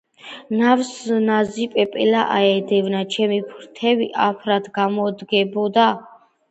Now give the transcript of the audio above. ნავს ნაზი პეპელა აედევნა, ჩემი ფრთები აფრად გამოდგებოდაო.